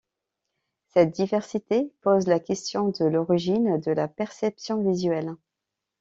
Cette diversité pose la question de l'origine de la perception visuelle.